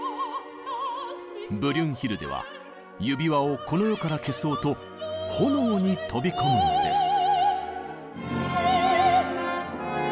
ブリュンヒルデは「指環」をこの世から消そうと炎に飛び込むのです。